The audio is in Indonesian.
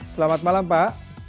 selamat malam pak